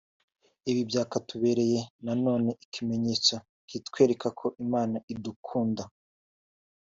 Ibi byakatubereye na none ikimenyetso kitwereka ko Imana idukunda